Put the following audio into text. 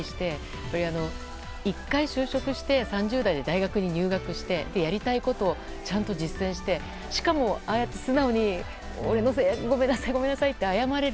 やっぱり、１回就職して３０代で大学に入学してやりたいことをちゃんと実践してしかも、ああやって素直に俺のせいで、ごめんなさいって謝れる